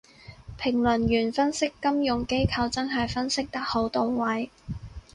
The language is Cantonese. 評論員分析金融機構真係分析得好到位